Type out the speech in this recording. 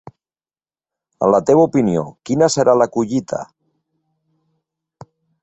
En la teva opinió, quina serà la collita?